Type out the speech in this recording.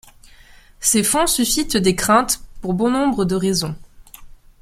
Ces fonds suscitent des craintes pour bon nombre de raisons.